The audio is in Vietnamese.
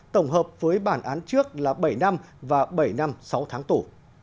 tổng hợp với bản án trước là bảy năm và bảy năm sáu tháng tù